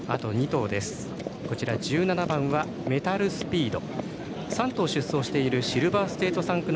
１７番メタルスピード。